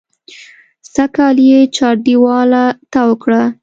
سږکال یې چاردېواله تاو کړه.